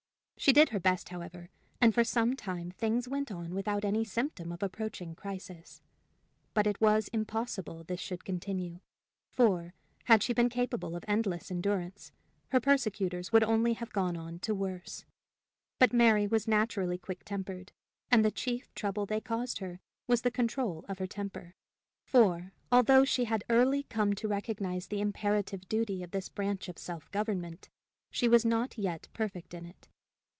She did her best, however; and for some time things went on without any symptom of approaching crisis. But it was impossible this should continue; for, had she been capable of endless endurance, her persecutors would only have gone on to worse. But Mary was naturally quick tempered, and the chief trouble they caused her was the control of her temper; for, although she had early come to recognize the imperative duty of this branch of self government, she was not yet perfect in it.